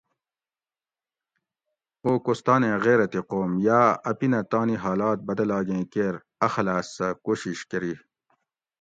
او کوستانیں غیرتی قوم یاۤ اپینہ تانی حالات بدلاگیں کیر اخلاص سہ کوشش کۤری